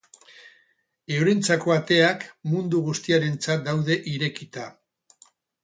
Eurentzako ateak mundu guztiarentzat daude irekita.